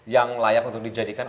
yang layak untuk dijadikan